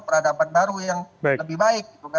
peradaban baru yang lebih baik